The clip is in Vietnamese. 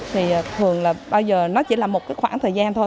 thì thường là bao giờ nó chỉ là một cái khoảng thời gian thôi